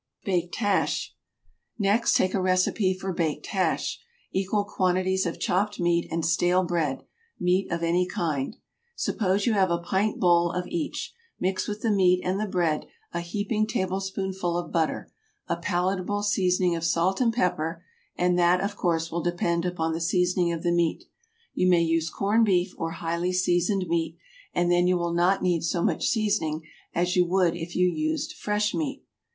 BAKED HASH. Next take a recipe for baked hash. Equal quantities of chopped meat and stale bread, meat of any kind. Suppose you have a pint bowl of each. Mix with the meat and the bread a heaping tablespoonful of butter, a palatable seasoning of salt and pepper, and that, of course, will depend upon the seasoning of the meat. You may use corned beef or highly seasoned meat, and then you will not need so much seasoning as you would if you used fresh meat.